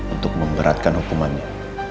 untuk memberatkan hukumannya